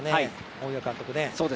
大岩監督。